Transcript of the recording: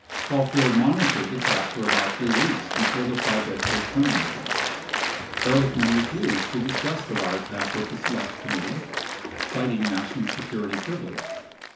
Caulfield monitored the tap for about 3 weeks before the proj ect was terminated. 30 Ehrlichman refused to discuss the wi retap with the Select Committee, citing national security privilege.